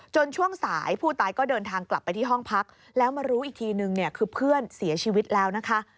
ช่วงสายผู้ตายก็เดินทางกลับไปที่ห้องพักแล้วมารู้อีกทีนึงเนี่ยคือเพื่อนเสียชีวิตแล้วนะคะ